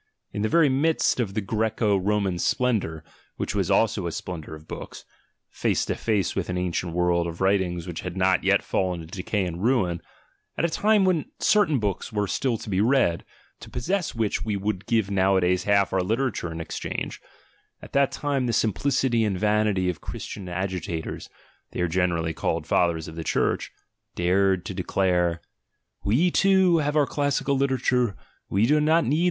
In the very midst of the Grseco Roman splendour, which was also a splendour of books, face to face with an ancient world of writings which had not yet fallen into decay and ruin, at a time when certain books were still to be read, to possess which we would give nowadays half our literature in exchange, at that time the simplicity and vanity of Christian agitators (they are generally called Fathers of the Church) dared to de clare: "We too have our classical literature, we do Jiot 7icr